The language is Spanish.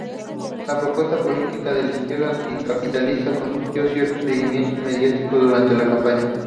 La propuesta política de Izquierda Anticapitalista concitó cierto seguimiento mediático durante la campaña.